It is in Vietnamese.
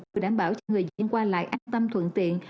vừa đảm bảo cho người dân qua lại an tâm thuận tiện